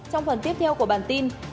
hãy đăng ký kênh để nhận thông tin nhất